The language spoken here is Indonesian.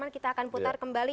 kita akan putar kembali